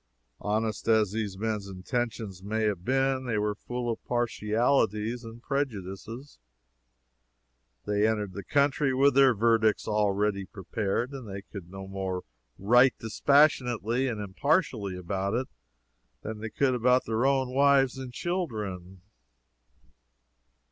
Honest as these men's intentions may have been, they were full of partialities and prejudices, they entered the country with their verdicts already prepared, and they could no more write dispassionately and impartially about it than they could about their own wives and children.